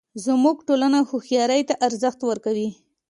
زموږ ټولنه هوښیارۍ ته ارزښت ورکوي